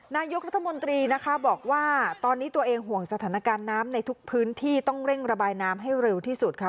นายกรัฐมนตรีนะคะบอกว่าตอนนี้ตัวเองห่วงสถานการณ์น้ำในทุกพื้นที่ต้องเร่งระบายน้ำให้เร็วที่สุดค่ะ